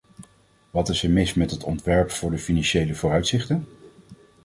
Wat is er mis met het ontwerp voor de financiële vooruitzichten?